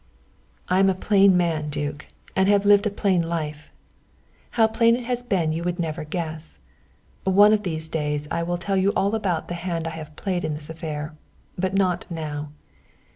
"I am a plain man, duke, and have lived a plain life how plain it has been you would never guess. One of these days I will tell you all about the hand I have played in this affair, but not now.